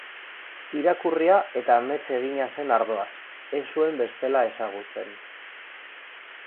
Irakurria eta amets egina zen ardoaz, ez zuen bestela ezagutzen.